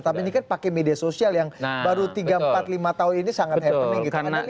tapi ini kan pakai media sosial yang baru tiga empat lima tahun ini sangat happening gitu